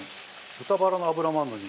豚バラの脂もあるのに。